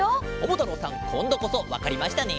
ももたろうさんこんどこそわかりましたね？